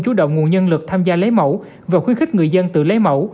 chú động nguồn nhân lực tham gia lấy mẫu và khuyến khích người dân tự lấy mẫu